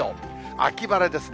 秋晴れですね。